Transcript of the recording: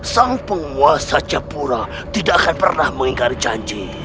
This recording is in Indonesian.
sang penguasa capura tidak akan pernah mengingat janji